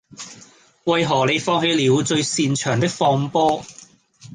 為何你放棄了最擅長的放波